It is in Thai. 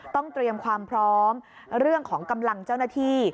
ต้องเตรียมความพร้อมเรื่องของกำลังเจ้าหน้าที่